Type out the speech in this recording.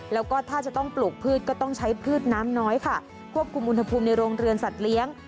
แล้วก็ถ้าจะต้องปลูกพืชก็ต้องใช้พืชน้ำน้อยค่ะควบคุมอุณหภูมิในโรงเรือนสัตว์เลี้ยง